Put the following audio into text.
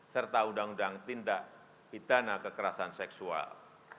serta undang undang tindak pidana kekerasan seksual